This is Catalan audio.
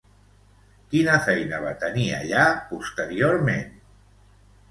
Quina feina va tenir allà posteriorment?